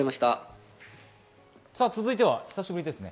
続いては、久しぶりですね。